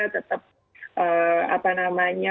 tetap apa namanya